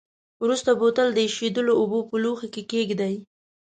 وروسته بوتل د ایشېدلو اوبو په لوښي کې کیږدئ.